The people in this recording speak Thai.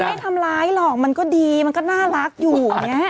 มันไม่ทำร้ายหรอกมันก็ดีมันก็น่ารักอยู่